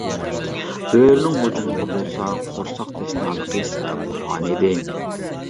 بۆرىنىڭ ھۇجۇمىغا بولسا قورساق تەشنالىقى سەۋەب بولغان ئىدى.